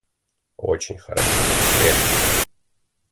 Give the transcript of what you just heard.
Очень хороши, легче.